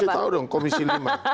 saya tahu dong komisi lima